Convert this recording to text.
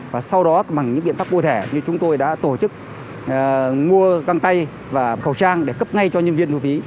và sau đó bằng những biện pháp cụ thể như chúng tôi đã tổ chức mua găng tay và khẩu trang để cấp ngay cho nhân viên thu phí